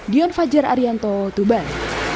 dion fajar arianto tuban